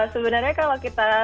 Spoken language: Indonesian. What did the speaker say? sebenarnya kalau kita